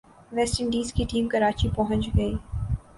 waste Indies کی team Karachi پہنچ گئی